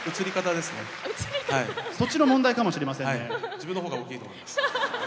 自分の方が大きいと思います。